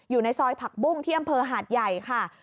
อยู่ในซอยผักบุ้งที่อำเภอหาดใหญ่ค่ะ